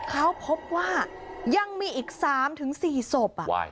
เขาพบว่ายังมีอีก๓๔ศพ